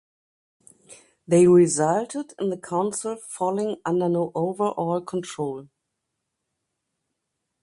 They resulted in the council falling under no overall control.